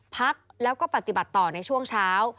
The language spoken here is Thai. พักแล้วก็ปฏิบัติต่อในช่วงเช้า